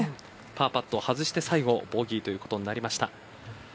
パーパットを外して最後ボギーということになりました。